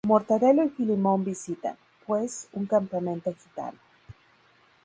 Mortadelo y Filemón visitan, pues, un campamento gitano.